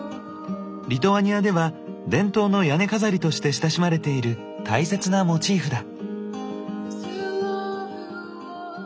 リトアニアでは伝統の屋根飾りとして親しまれている大切なモチーフだ。